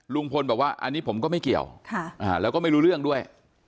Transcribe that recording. ลุงพลบอกว่าอันนี้ผมก็ไม่เกี่ยวแล้วก็ไม่รู้เรื่องด้วย